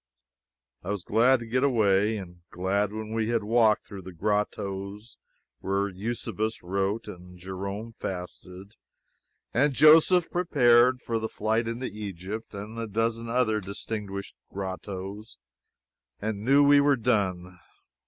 I was glad to get away, and glad when we had walked through the grottoes where Eusebius wrote, and Jerome fasted, and Joseph prepared for the flight into Egypt, and the dozen other distinguished grottoes, and knew we were done.